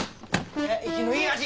生きのいいアジ！